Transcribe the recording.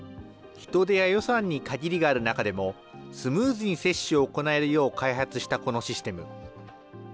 人手や予算に限りがある中でも、スムーズに接種を行えるよう開発したこのシステム。